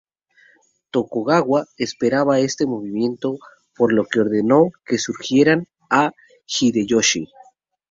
Tokugawa esperaba este movimiento por lo que ordenó que siguieran a Hideyoshi.